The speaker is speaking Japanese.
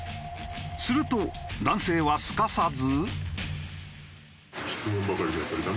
すると男性はすかさず。